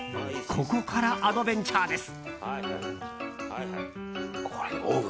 ここからアドベンチャーです。